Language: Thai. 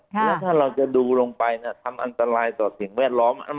แล้วถ้าเราจะดูลงไปทำอันตรายต่อสิ่งแวดล้อม